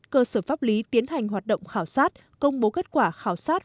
cơ sở pháp lý tiến hành hoạt động khảo sát công bố kết quả khảo sát